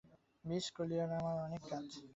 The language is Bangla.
মিস কেলি আর আমার অনেক কাজ।